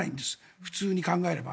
普通に考えれば。